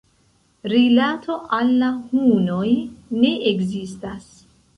Rilato al la hunoj ne ekzistas.